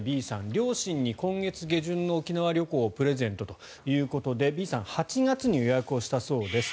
両親に今月下旬の沖縄旅行をプレゼントということでＢさん８月に予約したそうです。